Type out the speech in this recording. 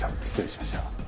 失礼しました。